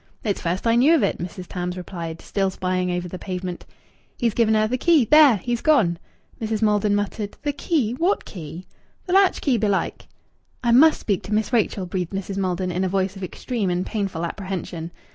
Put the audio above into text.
"It's first I knew of it," Mrs. Tams replied, still spying over the pavement. "He's given her th' key. There! He's gone." Mrs. Maldon muttered "The key? What key?" "Th' latch key belike." "I must speak to Miss Rachel," breathed Mrs. Maldon in a voice of extreme and painful apprehension.